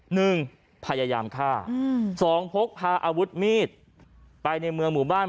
หนึ่งพยายามฆ่าอืมสองพกพาอาวุธมีดไปในเมืองหมู่บ้าน